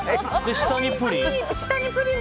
下にプリン？